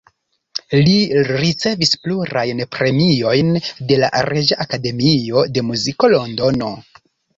Li ricevis plurajn premiojn de la Reĝa Akademio de Muziko, Londono.